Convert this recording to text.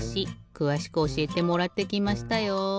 くわしくおしえてもらってきましたよ。